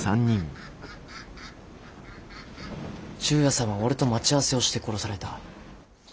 忠弥さんは俺と待ち合わせをして殺された。